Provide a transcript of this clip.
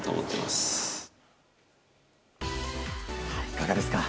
いかがですか。